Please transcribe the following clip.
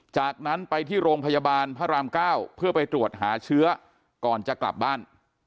จากนั้นไปที่โรงพยาบาลพระราม๙เพื่อไปตรวจหาเชื้อก่อนจะกลับบ้าน